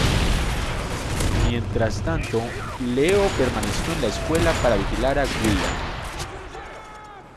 Mientras tanto, Leo permaneció en la escuela para vigilar a Wyatt.